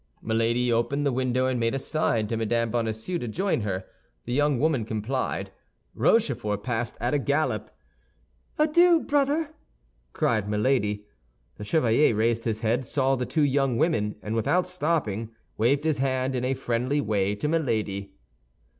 Milady opened the window, and made a sign to Mme. Bonacieux to join her. The young woman complied. Rochefort passed at a gallop. "Adieu, brother!" cried Milady. The chevalier raised his head, saw the two young women, and without stopping, waved his hand in a friendly way to Milady.